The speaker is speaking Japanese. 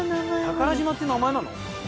宝島って名前なの？